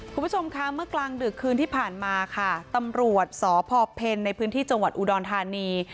คุณผู้ชมคะเมื่อกลางดึกคืนที่ผ่านมาค่ะตำรวจสพเพ็ญในพื้นที่จังหวัดอุดรธานี